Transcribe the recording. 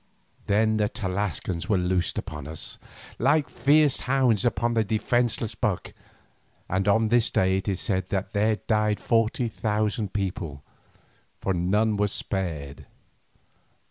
Then the Tlascalans were loosed upon us, like fierce hounds upon a defenceless buck, and on this day it is said that there died forty thousand people, for none were spared.